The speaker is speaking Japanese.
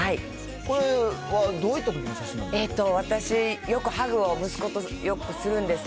これはどういったときの写真なんですか？